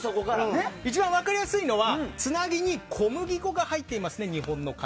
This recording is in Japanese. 一番分かりやすいのは日本のカレーはつなぎに小麦粉が入っていますね。